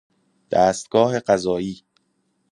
دستگاه قضایی